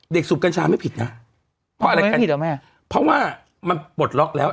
เด็กสูบกัญชาไม่ผิดนะไม่ผิดหรอแม่เพราะว่ามันปลดล็อกแล้ว